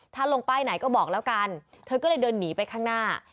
ถ้าลงป้ายไหนก็บอกแล้วกันเธอก็เลยเดินหนีไปข้างหน้า